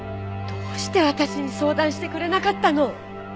どうして私に相談してくれなかったの？